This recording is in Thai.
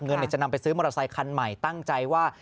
เงินจะนำไปซื้อมอเตอร์ไซคันใหม่ตั้งใจว่า